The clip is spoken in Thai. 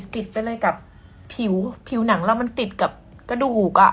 ติดไปเลยกับผิวผิวหนังแล้วมันติดกับกระดูกอ่ะ